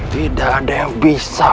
tidak ada yang bisa